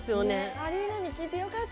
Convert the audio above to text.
アリーナに聞いてよかった。